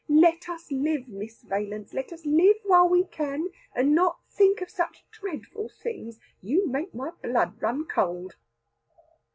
Let us live, Miss Valence, let us live while we can, and not think of such dreadful things. You make my blood run cold."